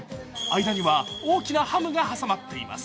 間には、大きなハムが挟まっています。